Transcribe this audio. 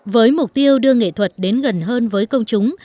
với mục tiêu đưa nghệ thuật đến gần hơn với công chúng